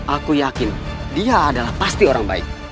aku yakin dia adalah pasti orang baik